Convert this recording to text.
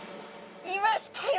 いましたよ！